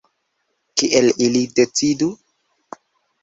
Kiel ili decidu?